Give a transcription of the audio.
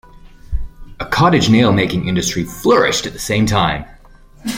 A cottage nail making industry flourished at the same time.